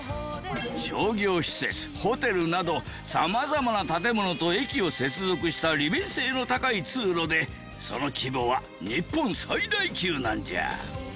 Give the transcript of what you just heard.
商業施設ホテルなど様々な建物と駅を接続した利便性の高い通路でその規模は日本最大級なんじゃ。